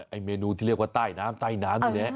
ไอ้เมนูที่เรียกว่าใต้น้ำใต้น้ำนี่แหละ